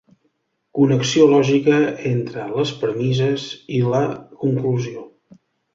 Connexió lògica entre les premisses i la conclusió.